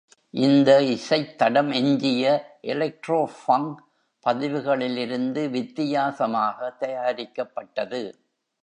இந்த இசைத்தடம் எஞ்சிய எலக்ட்ரோ-ஃபங்க் பதிவுகளிலிருந்து வித்தியாசமாக தயாரிக்கப்பட்டது.